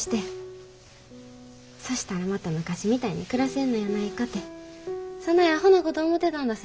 そしたらまた昔みたいに暮らせんのやないかてそないあほなこと思てたんだす。